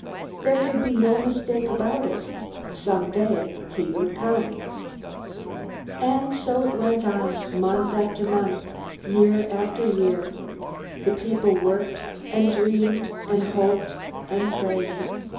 There could be no mistake about it. Someday he would come! And so it went on, month after month, year after year. The people worked, and dreamed, and hoped, and prayed.